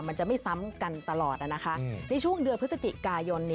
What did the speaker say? มันจะไม่ซ้ำกันตลอดในช่วงเดือนพฤศจิกายน